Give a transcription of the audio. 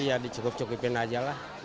ya dicukup cukupin aja lah